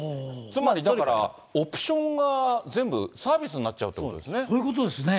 つまり、だからオプションが全部、サービスになっちゃうということですね。